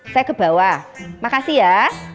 saya ke bawah makasih ya